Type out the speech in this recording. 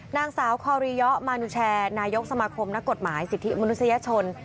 นางสาวคอรียะมานุแชร์นายกสมาคมนักกฎหมายสิทธิมนุษยชน